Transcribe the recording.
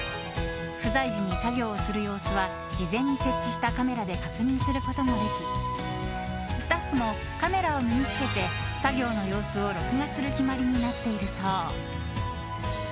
不在時に作業をする様子は事前に設置したカメラで確認することもできスタッフもカメラを身に着けて作業の様子を録画する決まりになっているそう。